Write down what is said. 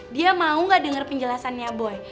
dia mau gak dengar penjelasannya boy